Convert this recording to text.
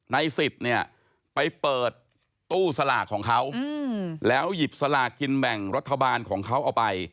ในสิทธิ์เนี่ยไปเปิดตู้สลากของเขาแล้วหยิบสลากกินแบ่งรัฐบาลของเขาเอาไป